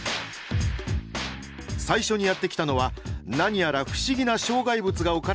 最初にやって来たのは何やら不思議な障害物が置かれた施設。